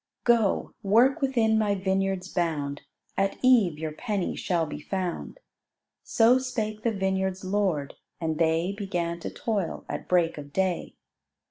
"Go, work within my vineyard's bound, At eve your 'penny' shall be found:" So spake the vineyard's lord, and they Began to toil at break of day.